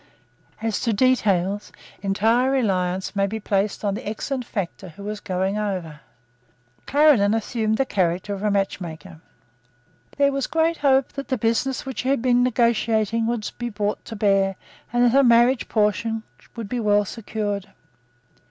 As to details, entire reliance might be placed on the excellent factor who was going over. Clarendon assumed the character of a matchmaker. There was great hope that the business which he had been negotiating would be brought to bear, and that the marriage portion would be well secured.